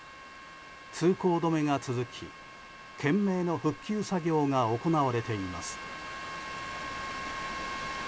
通行止めが続き懸命の復旧作業が行われています。